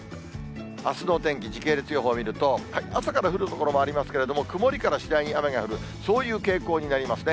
あすのお天気、時系列予報を見ると、朝から降る所もありますけれども、曇りから次第に雨が降る、そういう傾向になりますね。